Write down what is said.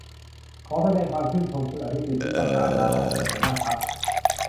ขอแสดงความชื่นชมคุณอภิสิทธิ์ที่ประกาศลาออกจากหัวหน้าพรรค